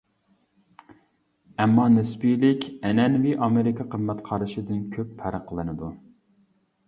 ئەمما نىسپىيلىك ئەنئەنىۋى ئامېرىكا قىممەت قارىشىدىن كۆپ پەرقلىنىدۇ.